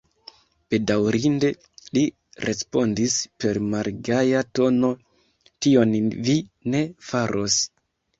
Bedaŭrinde, li respondis per malgaja tono, tion vi ne faros.